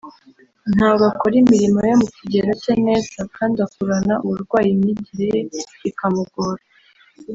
ntabwo akora imirimo yo mu kigero cye neza kandi akurana uburwayi imyigire ye ikamugora